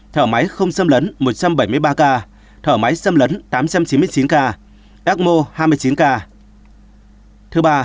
thở máy không xâm lấn một trăm bảy mươi ba ca thở máy xâm lấn tám trăm chín mươi chín ca ecmo hai mươi chín ca